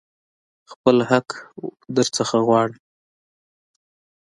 خپل حق درنه غواړم.